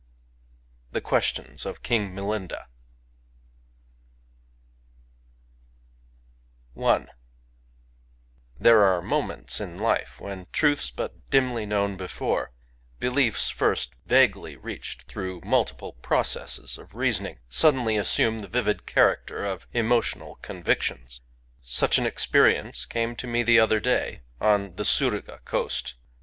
•.•— Tbe Sfuatioms of King MiliudM, I THERE are moments in life when truths but dimly known before — beliefs first vaguely reached through multiple pro cesses of reasoning — suddenly assume the vivid character of emotional convictions. Such an ex perience came to me the other day, on the Suruga coast.